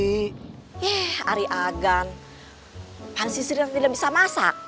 ih ari agan pasangan sri tidak bisa masak